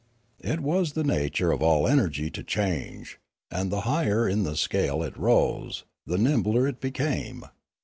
It was the nature of all energy to change, and the higher in the scale it rose, the nimbler it became.